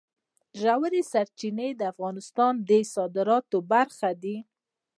ژورې سرچینې د افغانستان د صادراتو برخه ده.